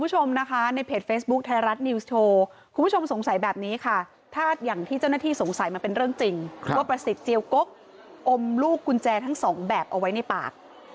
หรือว่าประสิทธิ์เจียวก๊กอมลูกกุญแจทั้ง๒แบบเอาไว้ในปาก